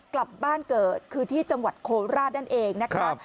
กลับบ้านเกิดคือที่จังหวัดโคราชนั่นเองนะครับ